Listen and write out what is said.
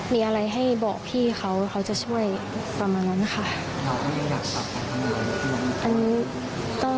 มีอะไรให้บอกพี่เขา